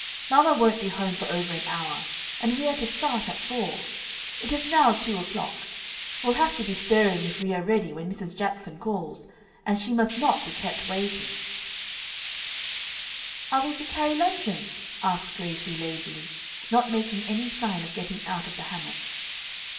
Mamma won't be home for over an hour. And we are to start at four. It is now two o'clock. We'll have to be stirring if we are ready when Mrs. Jackson calls. And she must not be kept waiting." [Illustration: "We are invited for a long automobile ride."] "Are we to carry luncheon?" asked Gracie, lazily, not making any sign of getting out of the hammock.